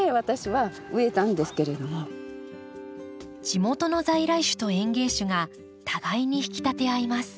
地元の在来種と園芸種が互いに引き立て合います。